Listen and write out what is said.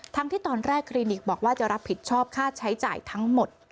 ที่ตอนแรกคลินิกบอกว่าจะรับผิดชอบค่าใช้จ่ายทั้งหมด